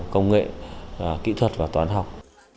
công nghệ kỹ thuật và toán học